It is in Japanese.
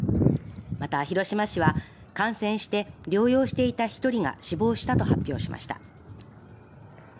また、広島市は感染して療養していた１人が死亡したと発表しました。